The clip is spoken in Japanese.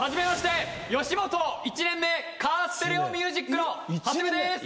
吉本１年目カーステレオミュージックの長谷部です。